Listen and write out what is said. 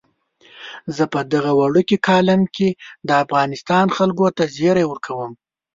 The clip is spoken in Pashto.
زه په دغه وړوکي کالم کې د افغانستان خلکو ته زیری ورکوم.